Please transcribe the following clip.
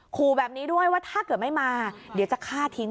ขู่แบบนี้ด้วยว่าถ้าเกิดไม่มาเดี๋ยวจะฆ่าทิ้ง